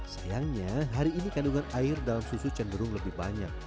sayangnya hari ini kandungan air dalam susu cenderung lebih banyak